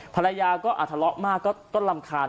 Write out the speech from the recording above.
ภรรยาก็อาจทะเลาะมากก็รำคาญ